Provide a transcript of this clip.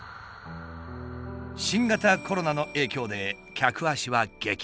新型コロナの影響で客足は激減。